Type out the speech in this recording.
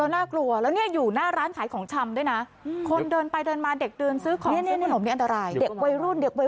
น่าจะหาได้ไม่ยากหรอก